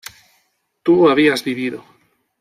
tú habías vivido